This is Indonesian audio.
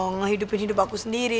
ngehidupin hidup aku sendiri